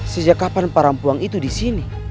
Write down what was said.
sejak kapan perempuan itu di sini